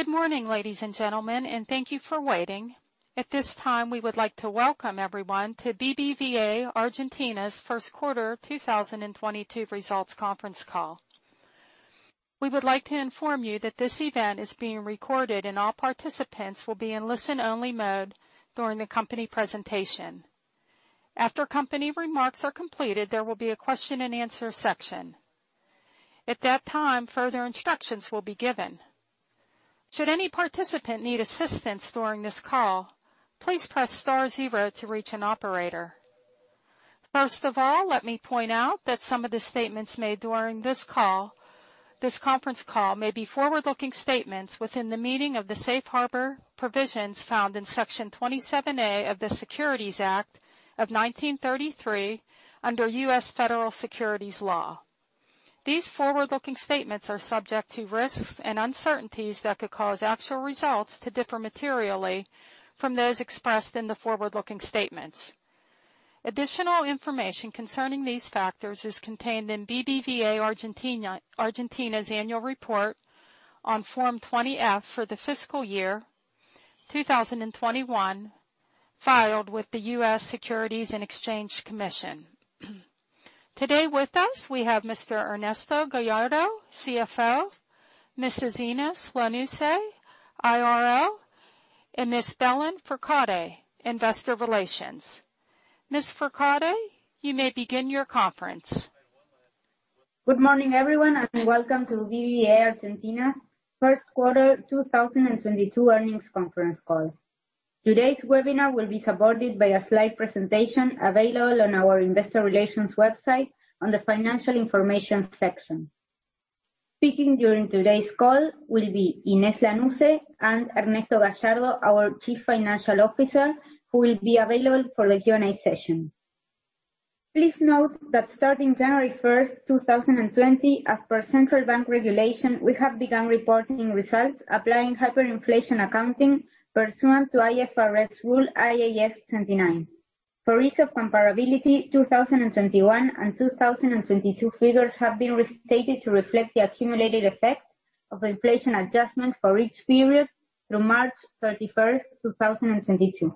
Good morning, ladies and gentlemen, and thank you for waiting. At this time, we would like to welcome everyone to BBVA Argentina's First Quarter 2022 Results conference call. We would like to inform you that this event is being recorded, and all participants will be in listen-only mode during the company presentation. After company remarks are completed, there will be a question and answer section. At that time, further instructions will be given. Should any participant need assistance during this call, please press star zero to reach an operator. First of all, let me point out that some of the statements made during this call, this conference call, may be forward-looking statements within the meaning of the safe harbor provisions found in Section 27A of the Securities Act of 1933 under U.S. Federal Securities Law. These forward-looking statements are subject to risks and uncertainties that could cause actual results to differ materially from those expressed in the forward-looking statements. Additional information concerning these factors is contained in BBVA Argentina's annual report on Form 20-F for the fiscal year 2021 filed with the U.S. Securities and Exchange Commission. Today with us, we have Mr. Ernesto Gallardo, CFO, Mrs. Inés Lanusse, IRO, and Miss Belén Fourcade, Investor Relations. Miss Fourcade, you may begin your conference. Good morning, everyone, and welcome to BBVA Argentina first quarter 2022 earnings conference call. Today's webinar will be supported by a slide presentation available on our investor relations website on the financial information section. Speaking during today's call will be Inés Lanusse and Ernesto Gallardo, our Chief Financial Officer, who will be available for the Q&A session. Please note that starting January 1st, 2020, as per Central Bank regulation, we have begun reporting results applying hyperinflation accounting pursuant to IFRS Rule, IAS 29. For ease of comparability, 2021 and 2022 figures have been restated to reflect the accumulated effect of inflation adjustment for each period through March 31st, 2022.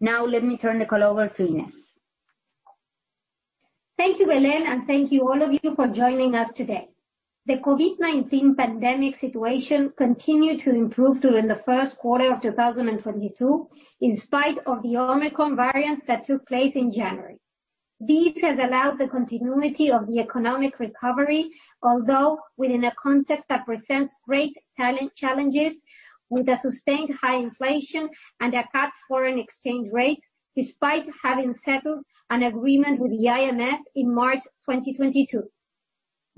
Now let me turn the call over to Inés. Thank you, Belén, and thank you all of you for joining us today. The COVID-19 pandemic situation continued to improve during the first quarter of 2022, in spite of the Omicron variant that took place in January. This has allowed the continuity of the economic recovery, although within a context that presents great challenges with a sustained high inflation and a cut foreign exchange rate, despite having settled an agreement with the IMF in March 2022.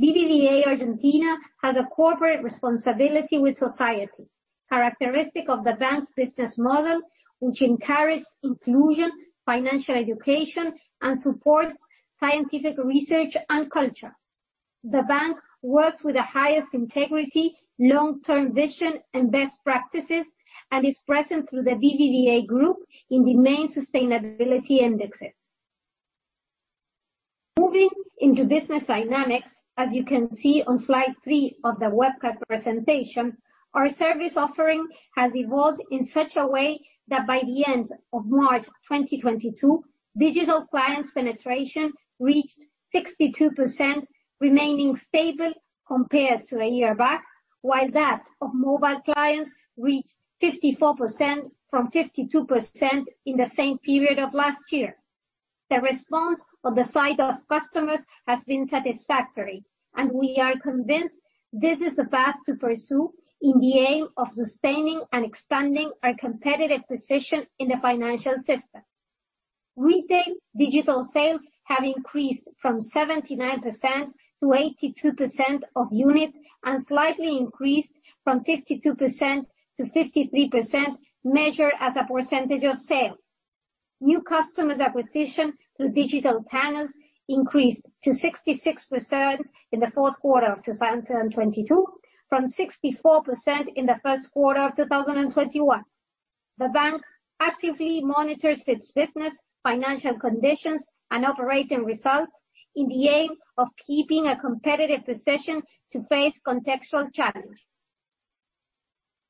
BBVA Argentina has a corporate responsibility with society, characteristic of the bank's business model, which encourages inclusion, financial education, and supports scientific research and culture. The bank works with the highest integrity, long-term vision, and best practices, and is present through the BBVA group in the main sustainability indexes. Moving into business dynamics, as you can see on slide three of the webcast presentation, our service offering has evolved in such a way that by the end of March 2022, digital clients penetration reached 62%, remaining stable compared to a year back, while that of mobile clients reached 54% from 52% in the same period of last year. The response on the side of customers has been satisfactory, and we are convinced this is the path to pursue in the aim of sustaining and expanding our competitive position in the financial system. Retail digital sales have increased from 79%-82% of units, and slightly increased from 52%-53%, measured as a percentage of sales. New customer acquisition through digital channels increased to 66% in the fourth quarter of 2022, from 64% in the first quarter of 2021. The bank actively monitors its business, financial conditions, and operating results with the aim of keeping a competitive position to face contextual challenge.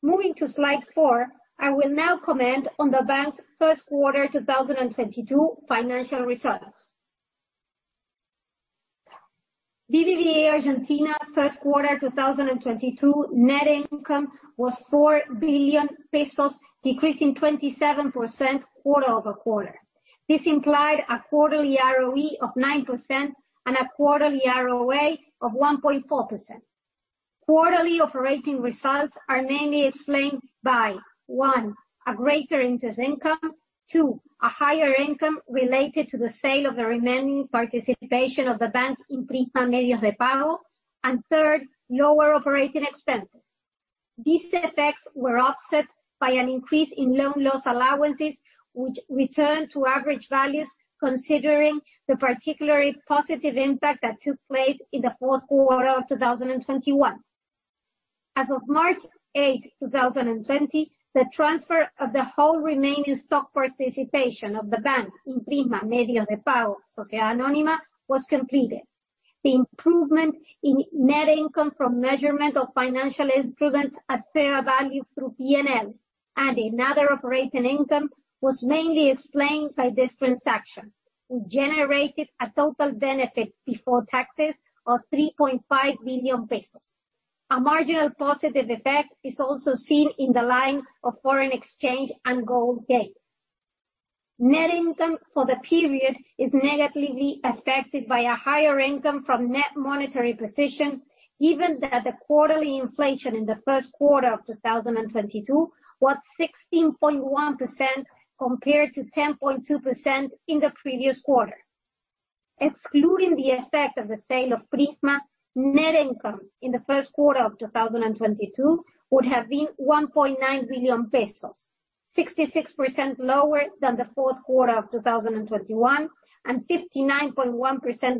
Moving to slide four, I will now comment on the bank's first quarter 2022 financial results. BBVA Argentina first quarter 2022 net income was 4 billion pesos, decreasing 27% quarter-over-quarter. This implied a quarterly ROE of 9% and a quarterly ROA of 1.4%. Quarterly operating results are mainly explained by, one, a greater interest income, two, a higher income related to the sale of the remaining participation of the bank in Prisma Medios de Pago, and third, lower operating expenses. These effects were offset by an increase in loan loss allowances which returned to average values, considering the particularly positive impact that took place in the fourth quarter of 2021. As of March 8th, 2020, the transfer of the whole remaining stock participation of the bank in Prisma Medios de Pago Sociedad Anónima was completed. The improvement in net income from measurement of financial instruments at fair value through P&L and in other operating income was mainly explained by this transaction, who generated a total benefit before taxes of 3.5 billion pesos. A marginal positive effect is also seen in the line of foreign exchange and gold gains. Net income for the period is negatively affected by a higher income from net monetary position, given that the quarterly inflation in the first quarter of 2022 was 16.1% compared to 10.2% in the previous quarter. Excluding the effect of the sale of Prisma, net income in the first quarter of 2022 would have been 1.9 billion pesos, 66% lower than the fourth quarter of 2021, and 59.1%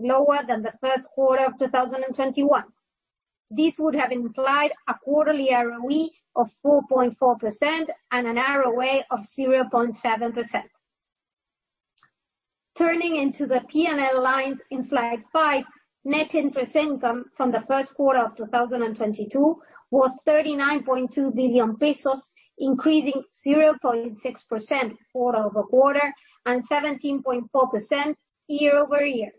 lower than the first quarter of 2021. This would have implied a quarterly ROE of 4.4% and an ROA of 0.7%. Turning into the P&L lines in slide five, net interest income from the first quarter of 2022 was 39.2 billion pesos, increasing 0.6% quarter-over-quarter and 17.4% year-over-year.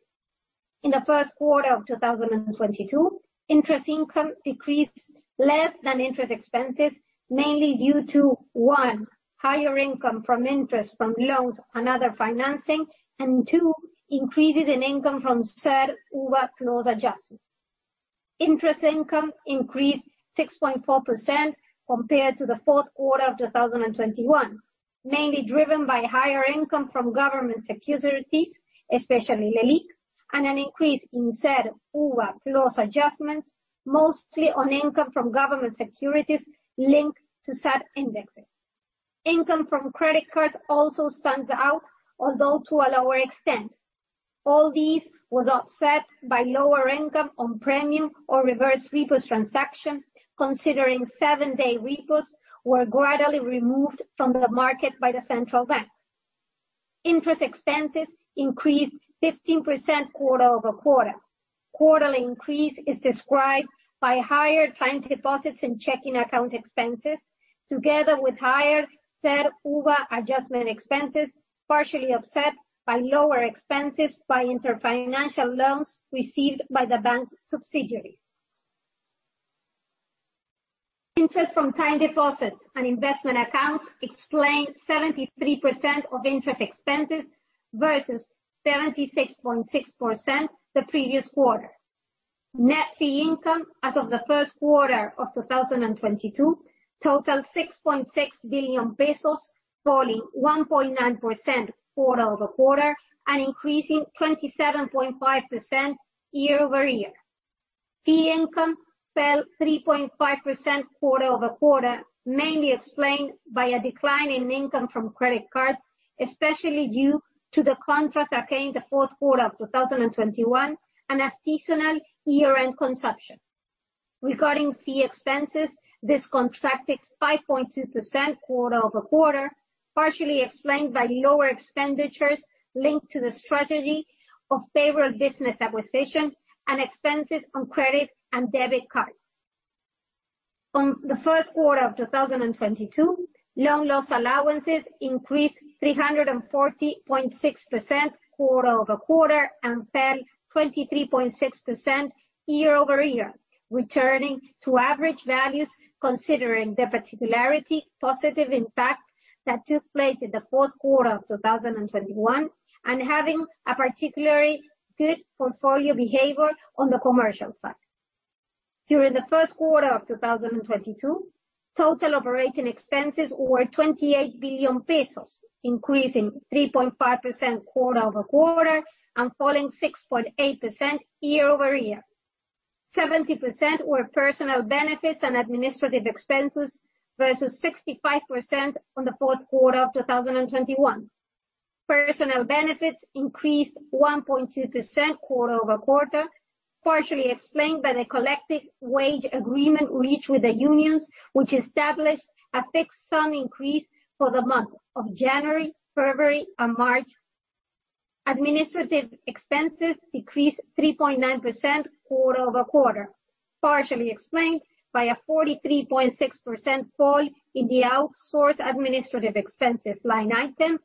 In the first quarter of 2022, interest income decreased less than interest expenses, mainly due to, one, higher income from interest from loans and other financing, and two, increases in income from CER-UVA clause adjustments. Interest income increased 6.4% compared to the fourth quarter of 2021, mainly driven by higher income from government securities, especially LELIQ, and an increase in CER-UVA clause adjustments, mostly on income from government securities linked to CER indexes. Income from credit cards also stands out, although to a lower extent. All these was offset by lower income on premium or reverse repos transaction, considering seven-day repos were gradually removed from the market by the central bank. Interest expenses increased 15% quarter-over-quarter. Quarterly increase is described by higher time deposits and checking account expenses, together with higher CER-UVA adjustment expenses, partially offset by lower expenses by inter-financial loans received by the bank's subsidiaries. Interest from time deposits and investment accounts explain 73% of interest expenses versus 76.6% the previous quarter. Net fee income as of the first quarter of 2022 totaled 6.6 billion pesos, falling 1.9% quarter-over-quarter and increasing 27.5% year-over-year. Fee income fell 3.5% quarter-over-quarter, mainly explained by a decline in income from credit cards, especially due to the contraction that occurred in the fourth quarter of 2021 and a seasonal year-end consumption. Regarding fee expenses, this contracted 5.2% quarter-over-quarter, partially explained by lower expenditures linked to the strategy of favorable business acquisition and expenses on credit and debit cards. In the first quarter of 2022, loan loss allowances increased 340.6% quarter-over-quarter and fell 23.6% year-over-year, returning to average values considering the particularly positive impact that took place in the fourth quarter of 2021 and having a particularly good portfolio behavior on the commercial side. During the first quarter of 2022, total operating expenses were 28 billion pesos, increasing 3.5% quarter-over-quarter and falling 6.8% year-over-year. 70% were personal benefits and administrative expenses versus 65% on the fourth quarter of 2021. Personnel benefits increased 1.2% quarter-over-quarter, partially explained by the collective wage agreement reached with the unions, which established a fixed sum increase for the month of January, February, and March. Administrative expenses decreased 3.9% quarter-over-quarter, partially explained by a 43.6% fall in the outsourced administrative expenses line item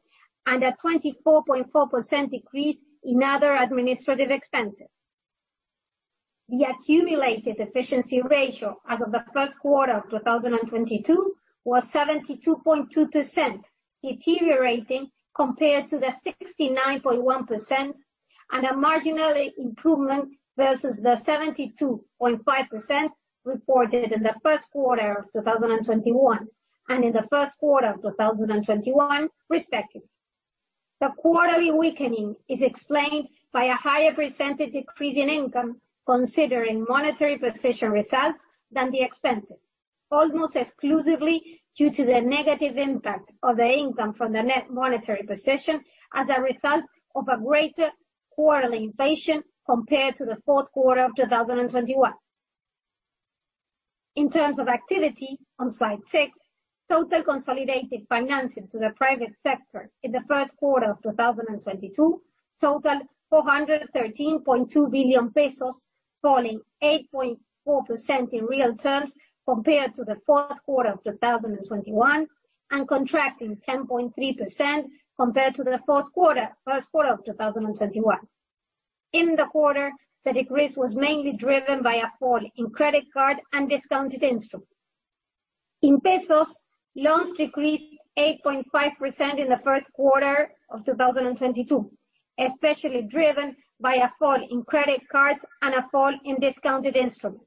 and a 24.4% decrease in other administrative expenses. The accumulated efficiency ratio as of the first quarter of 2022 was 72.2%, deteriorating compared to the 69.1% and a marginal improvement versus the 72.5% reported in the first quarter of 2021, respectively. The quarterly weakening is explained by a higher percentage decrease in income considering monetary position results than the expenses, almost exclusively due to the negative impact of the income from the net monetary position as a result of a greater quarterly inflation compared to the fourth quarter of 2021. In terms of activity on slide six, total consolidated financing to the private sector in the first quarter of 2022 totaled 413.2 billion pesos, falling 8.4% in real terms compared to the fourth quarter of 2021, and contracting 10.3% compared to the first quarter of 2021. In the quarter, the decrease was mainly driven by a fall in credit card and discounted instruments. In pesos, loans decreased 8.5% in the first quarter of 2022, especially driven by a fall in credit cards and a fall in discounted instruments.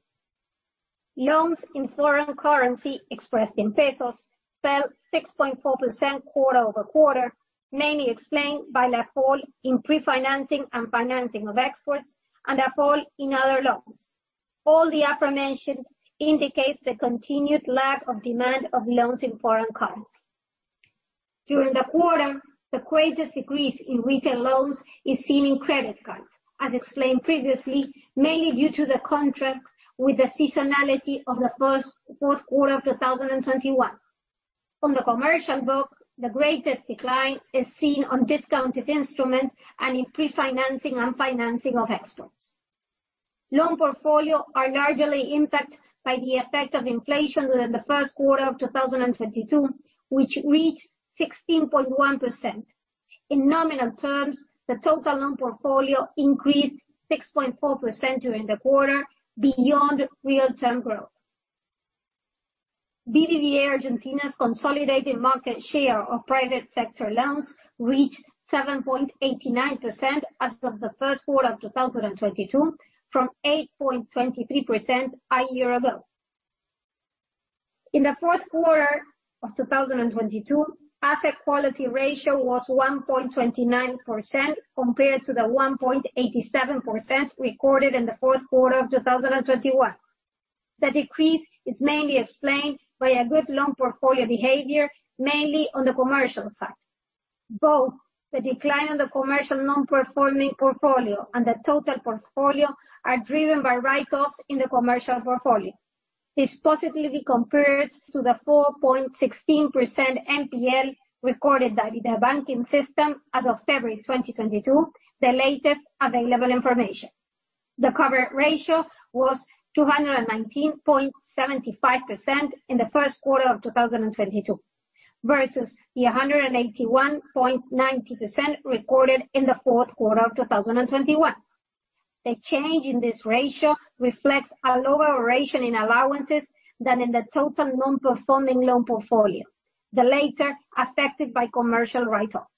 Loans in foreign currency expressed in pesos fell 6.4% quarter-over-quarter, mainly explained by the fall in pre-financing and financing of exports, and a fall in other loans. All the aforementioned indicates the continued lack of demand of loans in foreign currency. During the quarter, the greatest decrease in retail loans is seen in credit cards, as explained previously, mainly due to the contrast with the seasonality of the fourth quarter of 2021. On the commercial book, the greatest decline is seen on discounted instruments and in pre-financing and financing of exports. Loan portfolio is largely impacted by the effect of inflation within the first quarter of 2022, which reached 16.1%. In nominal terms, the total loan portfolio increased 6.4% during the quarter beyond real-term growth. BBVA Argentina's consolidated market share of private sector loans reached 7.89% as of the first quarter of 2022, from 8.23% a year ago. In the fourth quarter of 2022, asset quality ratio was 1.29% compared to the 1.87% recorded in the fourth quarter of 2021. The decrease is mainly explained by a good loan portfolio behavior, mainly on the commercial side. Both the decline in the commercial non-performing portfolio and the total portfolio are driven by write-offs in the commercial portfolio. This positively compares to the 4.16% NPL recorded by the banking system as of February 2022, the latest available information. The cover ratio was 219.75% in the first quarter of 2022 versus the 181.90% recorded in the fourth quarter of 2021. The change in this ratio reflects a lower ratio in allowances than in the total non-performing loan portfolio, the latter affected by commercial write-offs.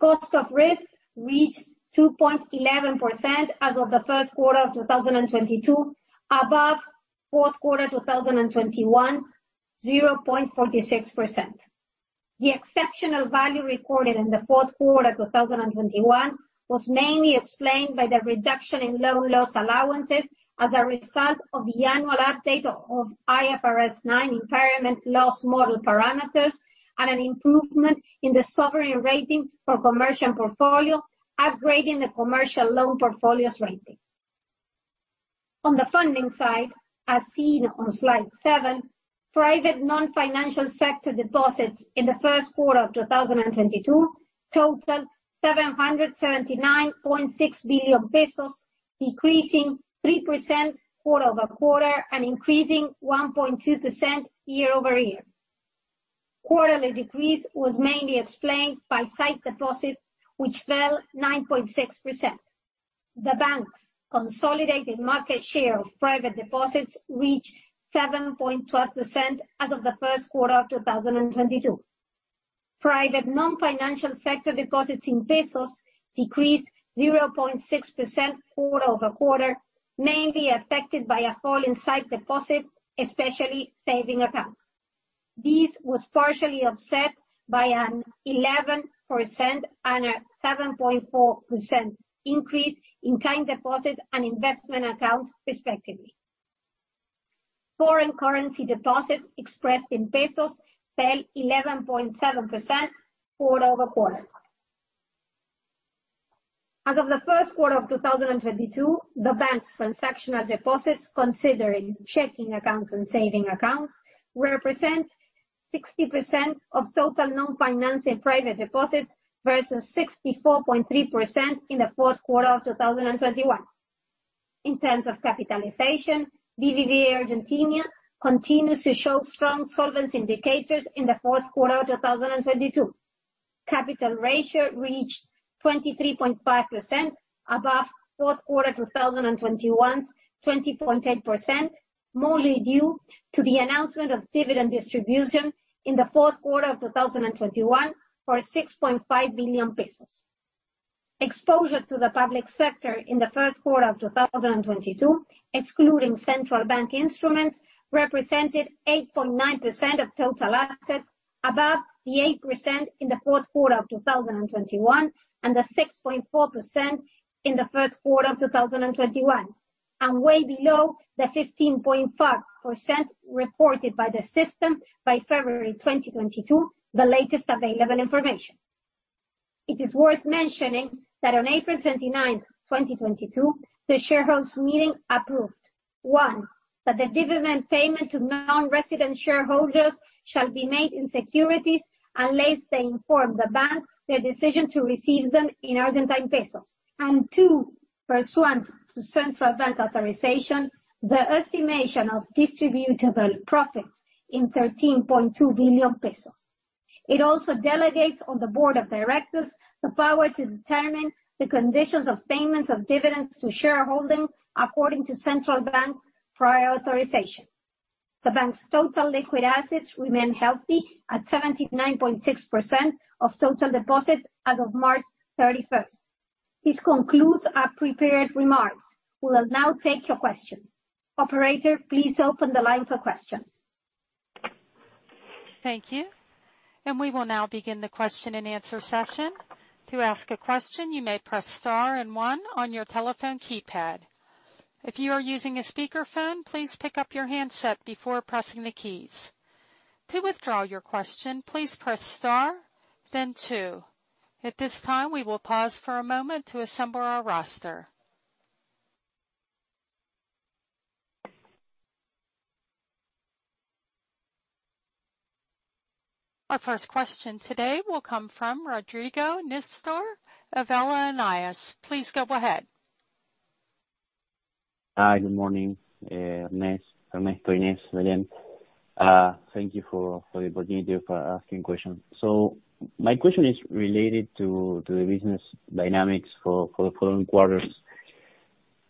Cost of risk reached 2.11% as of the first quarter of 2022, above fourth quarter 2021, 0.46%. The exceptional value recorded in the fourth quarter 2021 was mainly explained by the reduction in loan loss allowances as a result of the annual update of IFRS 9 impairment loss model parameters and an improvement in the sovereign rating for commercial portfolio, upgrading the commercial loan portfolio's rating. On the funding side, as seen on slide seven, private non-financial sector deposits in the first quarter of 2022 totaled 779.6 billion pesos, decreasing 3% quarter-over-quarter and increasing 1.2% year-over-year. Quarterly decrease was mainly explained by sight deposits, which fell 9.6%. The bank's consolidated market share of private deposits reached 7.12% as of the first quarter of 2022. Private non-financial sector deposits in pesos decreased 0.6% quarter-over-quarter, mainly affected by a fall in sight deposits, especially savings accounts. This was partially offset by an 11% and a 7.4% increase in time deposits and investment accounts respectively. Foreign currency deposits expressed in pesos fell 11.7% quarter-over-quarter. As of the first quarter of 2022, the bank's transactional deposits, considering checking accounts and savings accounts, represent 60% of total non-financial private deposits, versus 64.3% in the fourth quarter of 2021. In terms of capitalization, BBVA Argentina continues to show strong solvency indicators in the fourth quarter of 2022. Capital ratio reached 23.5%, above fourth quarter 2021's 20.8%, mainly due to the announcement of dividend distribution in the fourth quarter of 2021 for 6.5 billion pesos. Exposure to the public sector in the first quarter of 2022, excluding central bank instruments, represented 8.9% of total assets, above the 8% in the fourth quarter of 2021, and the 6.4% in the first quarter of 2021, and way below the 15.5% reported by the system by February 2022, the latest available information. It is worth mentioning that on April 29th, 2022, the shareholders meeting approved, one, that the dividend payment to non-resident shareholders shall be made in securities unless they inform the bank their decision to receive them in Argentine pesos. Two, pursuant to Central Bank authorization, the estimation of distributable profits in 13.2 billion pesos. It also delegates to the board of directors the power to determine the conditions of payments of dividends to shareholders according to Central Bank prior authorization. The bank's total liquid assets remain healthy at 79.6% of total deposits as of March 31st. This concludes our prepared remarks. We will now take your questions. Operator, please open the line for questions. Thank you. We will now begin the question-and-answer session. To ask a question, you may press star and one on your telephone keypad. If you are using a speakerphone, please pick up your handset before pressing the keys. To withdraw your question, please press star, then two. At this time, we will pause for a moment to assemble our roster. Our first question today will come from Rodrigo Nistor of LNIS. Please go ahead. Hi, good morning, Ernesto, Inés, and Belén. Thank you for the opportunity of asking questions. My question is related to the business dynamics for the following quarters.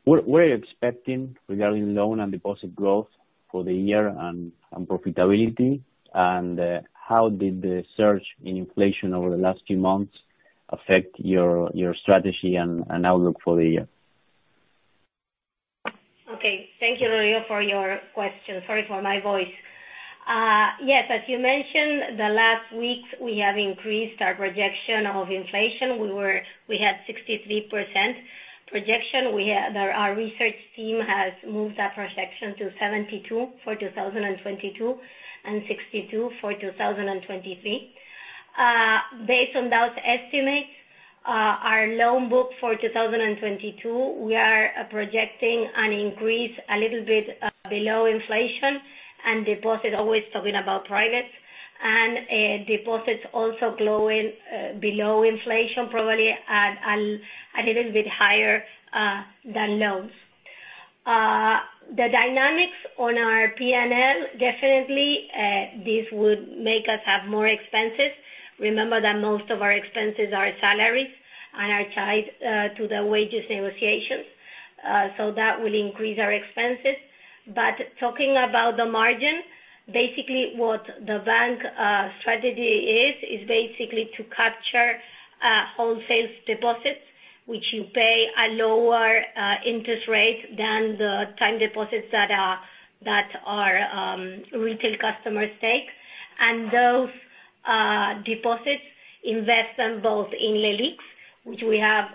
What are you expecting regarding loan and deposit growth for the year and profitability? How did the surge in inflation over the last few months affect your strategy and outlook for the year? Okay. Thank you, Rodrigo, for your question. Sorry for my voice. Yes, as you mentioned, the last weeks we have increased our projection of inflation. We had 63% projection. Our research team has moved that projection to 72% for 2022, and 62% for 2023. Based on those estimates, our loan book for 2022, we are projecting an increase a little bit below inflation and deposit, always talking about privates. Deposits also growing below inflation, probably at a little bit higher than loans. The dynamics on our P&L definitely this would make us have more expenses. Remember that most of our expenses are salaries and are tied to the wages negotiations, so that will increase our expenses. Talking about the margin, basically what the bank's strategy is basically to capture wholesale deposits, which you pay a lower interest rate than the time deposits that our retail customers take. Those deposits invest them both in LELIQ, which we are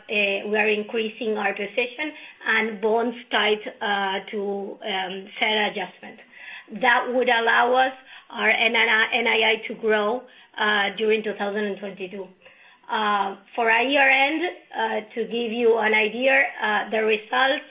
increasing our position, and bonds tied to CER adjustment. That would allow us our NII to grow during 2022. For our year-end, to give you an idea, the results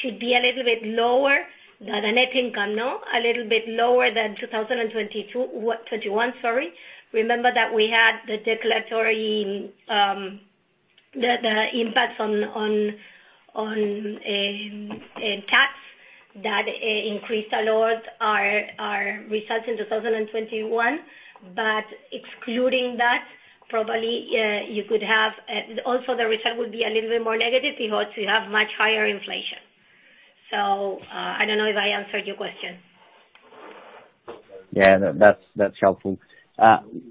should be a little bit lower than the net income. No, a little bit lower than 2021, sorry. Remember that we had the extraordinary, the impact on tax that increased a lot our results in 2021. Excluding that, probably, you could have, also the result would be a little bit more negative if also you have much higher inflation. I don't know if I answered your question. Yeah. That's helpful.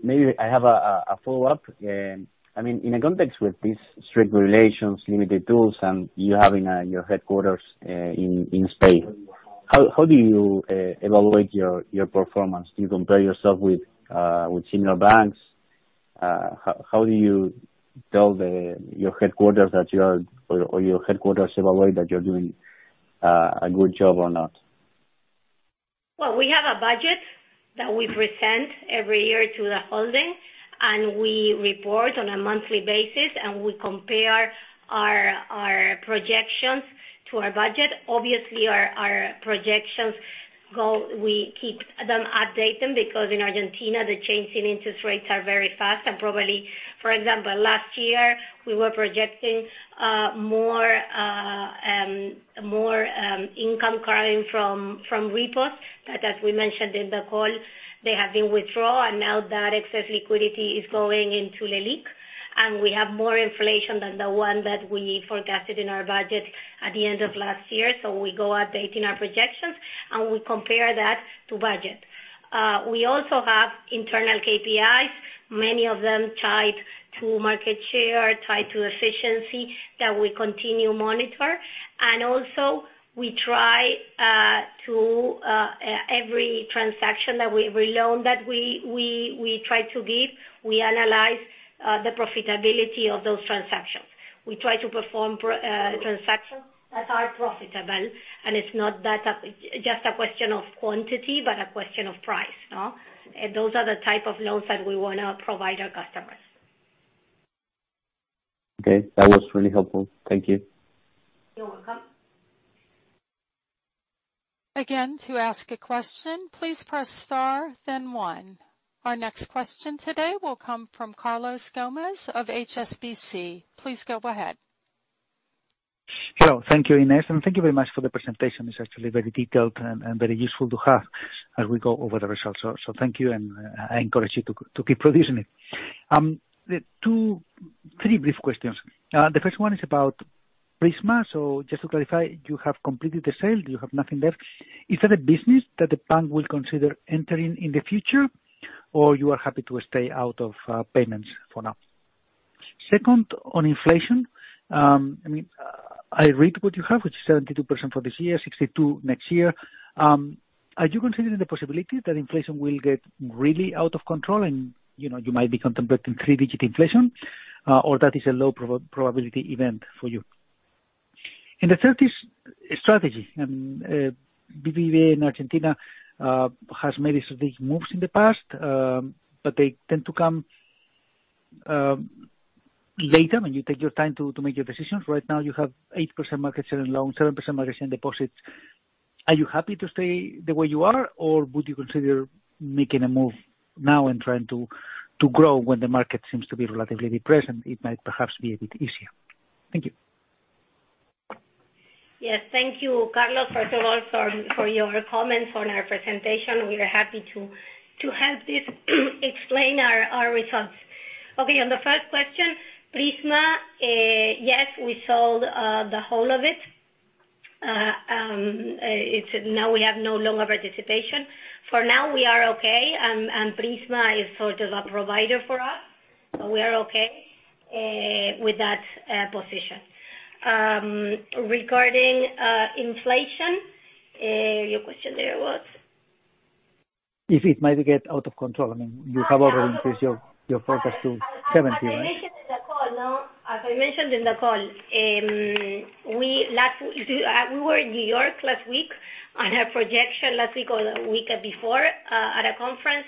Maybe I have a follow-up. I mean, in a context with these strict regulations, limited tools, and you having your headquarters in Spain, how do you evaluate your performance? Do you compare yourself with senior banks? How do you tell your headquarters that you are or your headquarters evaluate that you're doing a good job or not? Well, we have a budget that we present every year to the holding, and we report on a monthly basis, and we compare our projections to our budget. Obviously, we keep updating them because in Argentina, the change in interest rates are very fast. Probably, for example, last year, we were projecting more income coming from repos. As we mentioned in the call, they have been withdrawn, and now that excess liquidity is going into LELIQ. We have more inflation than the one that we forecasted in our budget at the end of last year. We go updating our projections, and we compare that to budget. We also have internal KPIs, many of them tied to market share, tied to efficiency that we continue monitor. Every loan that we try to give, we analyze the profitability of those transactions. We try to perform transactions that are profitable, and it's not just a question of quantity, but a question of price, no? Those are the type of loans that we wanna provide our customers. Okay. That was really helpful. Thank you. You're welcome. Again, to ask a question, please press star then one. Our next question today will come from Carlos Gomez of HSBC. Please go ahead. Hello. Thank you, Inés, and thank you very much for the presentation. It's actually very detailed and very useful to have as we go over the results. So thank you, and I encourage you to keep producing it. Three brief questions. The first one is about Prisma. Just to clarify, you have completed the sale, you have nothing left. Is that a business that the bank will consider entering in the future or you are happy to stay out of payments for now? Second, on inflation, I mean, I read what you have, which is 72% for this year, 62% next year. Are you considering the possibility that inflation will get really out of control and, you know, you might be contemplating three-digit inflation, or that is a low probability event for you? The third is strategy. BBVA in Argentina has made strategic moves in the past, but they tend to come later when you take your time to make your decisions. Right now, you have 8% market share in loans, 7% market share in deposits. Are you happy to stay the way you are, or would you consider making a move now and trying to grow when the market seems to be relatively depressed, and it might perhaps be a bit easier? Thank you. Yes. Thank you, Carlos, first of all for your comments on our presentation. We are happy to explain our results. Okay, on the first question, Prisma, yes, we sold the whole of it. Now we no longer have participation. For now, we are okay, and Prisma is sort of a provider for us. So we are okay with that position. Regarding inflation, your question there was? If it might get out of control. I mean, you have already increased your forecast to 70%, right? As I mentioned in the call, we were in New York last week on a projection last week or the week before at a conference,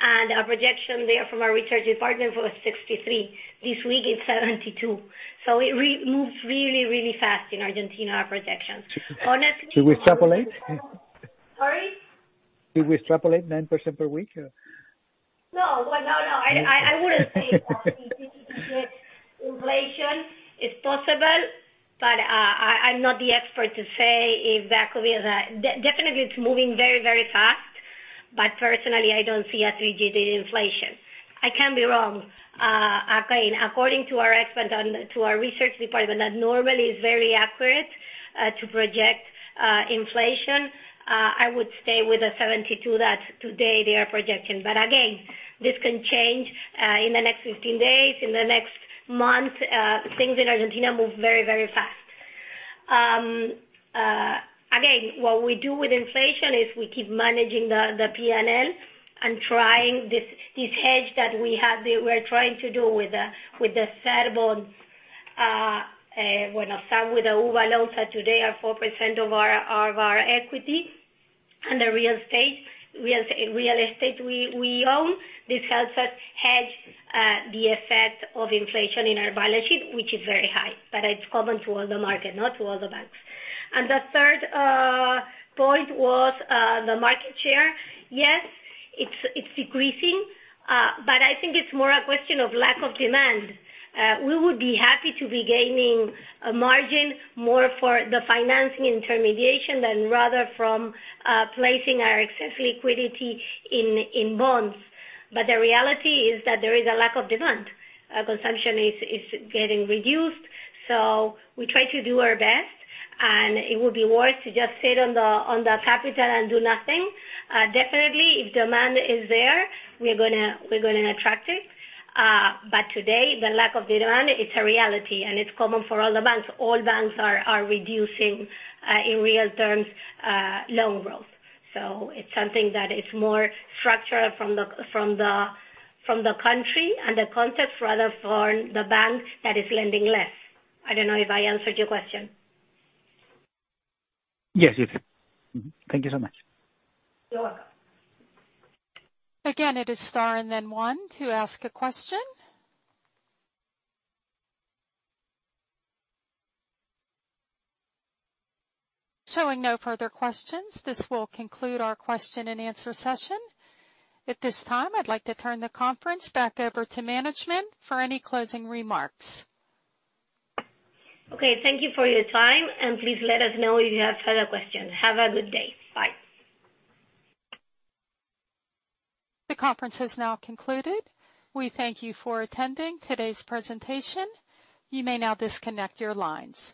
and our projection there from our research department was 63%. This week it's 72%. It moves really fast in Argentina, our projections. Honestly. Do we extrapolate? Sorry? Do we extrapolate 9% per week? No. Well, no. I wouldn't say that. Inflation is possible, but I'm not the expert to say if that could be the. Definitely it's moving very, very fast, but personally, I don't see a three-digit inflation. I can be wrong. Again, according to our research department that normally is very accurate to project inflation, I would stay with the 72% that today they are projecting. This can change in the next 15 days, in the next month. Things in Argentina move very, very fast. Again, what we do with inflation is we keep managing the P&L and trying this hedge we're trying to do with the CER bonds. Well, some with the UVA loans that today are 4% of our equity. The real estate we own, this helps us hedge the effect of inflation in our balance sheet, which is very high, but it's common to all the market, not to all the banks. The third point was the market share. Yes, it's decreasing, but I think it's more a question of lack of demand. We would be happy to be gaining a margin more for the financing intermediation than rather from placing our excess liquidity in bonds. The reality is that there is a lack of demand. Consumption is getting reduced, so we try to do our best, and it would be worse to just sit on the capital and do nothing. Definitely if demand is there, we're gonna attract it. Today, the lack of demand is a reality, and it's common for all the banks. All banks are reducing in real terms loan growth. It's something that is more structural from the country and the context rather for the bank that is lending less. I don't know if I answered your question. Yes, you did. Mm-hmm. Thank you so much. You're welcome. Again, it is star and then one to ask a question. Showing no further questions, this will conclude our question and answer session. At this time, I'd like to turn the conference back over to management for any closing remarks. Okay, thank you for your time, and please let us know if you have further questions. Have a good day. Bye. The conference has now concluded. We thank you for attending today's presentation. You may now disconnect your lines.